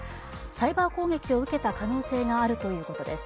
サイバー攻撃を受けた可能性があるということです。